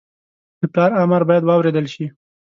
د پلار امر باید واورېدل شي